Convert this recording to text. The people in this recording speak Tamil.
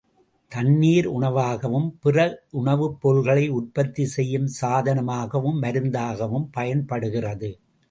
தண்ணீர் உணவாகவும், பிற உணவுப் பொருள்களை உற்பத்தி செய்யும் சாதனமாகவும், மருந்தாகவும் பயன்படுகிறது.